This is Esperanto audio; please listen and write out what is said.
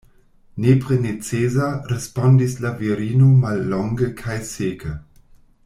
Nepre necesa, respondis la virino mallonge kaj seke.